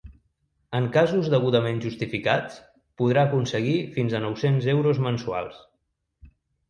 En casos degudament justificats, podrà aconseguir fins a nou-cents euros mensuals.